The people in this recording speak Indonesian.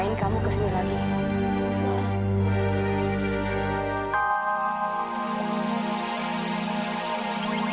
ini sama sekali penembusan kamu kak